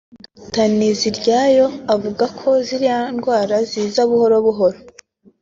Dr Nteziryayo avuga ko ziriya ndwara ziza buhoro buhoro